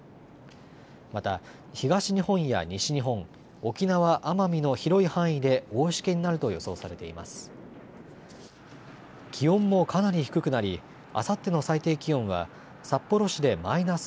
また東日本や西日本、沖縄・奄美の広い範囲で大しけになると予想されています。